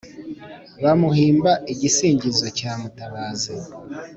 bamuhimba igisingizo cya "mutabazi."